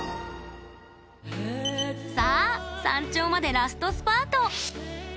さあ、山頂までラストスパート！